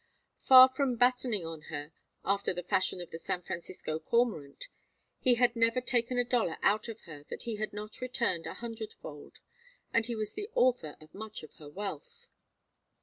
Far from battening on her, after the fashion of the San Francisco cormorant, he had never taken a dollar out of her that he had not returned a hundred fold, and he was the author of much of her wealth.